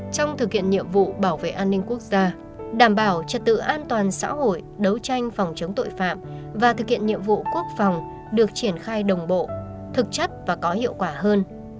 trong thực hiện nhiệm vụ bảo vệ an ninh quốc gia đảm bảo trật tự an toàn xã hội đấu tranh phòng chống tội phạm và thực hiện nhiệm vụ quốc phòng được triển khai đồng bộ thực chất và có hiệu quả hơn